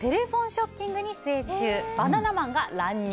ショッキングに出演中バナナマンが乱入。